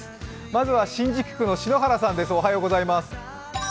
まずは新宿区の篠原さんです。